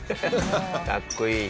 かっこいい。